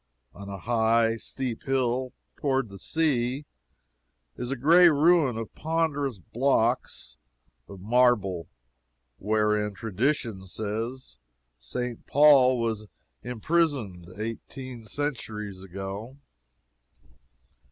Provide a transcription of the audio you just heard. On a high, steep hill, toward the sea, is a gray ruin of ponderous blocks of marble, wherein, tradition says, St. Paul was imprisoned eighteen centuries ago.